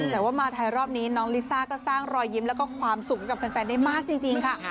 แต่ว่ามาไทยรอบนี้น้องลิซ่าก็สร้างรอยยิ้มแล้วก็ความสุขให้กับแฟนได้มากจริงค่ะ